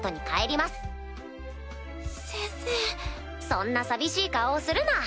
そんな寂しい顔をするな。